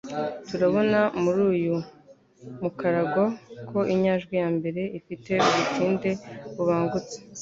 Turabona muri uyu mukarago ko inyajwi ya mbere ifite ubutinde bubangutse,